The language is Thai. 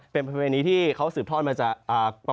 เป็นประเภนีนี้ให้เขาสืบทอดมากว่าประมาณ๔๐๐๐กว่าปี